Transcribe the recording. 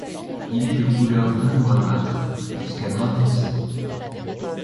Il est de couleur brun noirâtre, jusqu'à noir foncé.